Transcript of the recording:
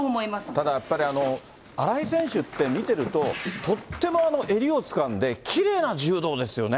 ただやっぱり、新井選手って、見てるととっても襟をつかんで、きれいな柔道ですよね。